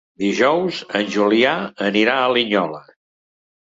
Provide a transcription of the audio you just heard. Dijous en Julià anirà a Linyola.